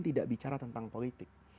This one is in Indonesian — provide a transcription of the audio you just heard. tidak bicara tentang politik